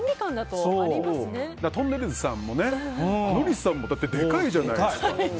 とんねるずさんものりさんもでかいじゃないですか。